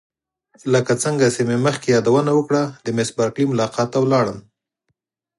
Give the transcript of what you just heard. لکه څنګه چې مې مخکې یادونه وکړه د میس بارکلي ملاقات ته ولاړم.